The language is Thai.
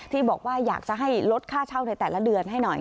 ที่บอกว่าอยากจะให้ลดค่าเช่าในแต่ละเดือนให้หน่อย